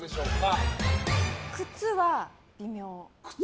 靴は微妙。